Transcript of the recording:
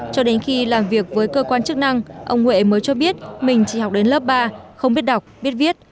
cho đến khi làm việc với cơ quan chức năng ông huệ mới cho biết mình chỉ học đến lớp ba không biết đọc biết viết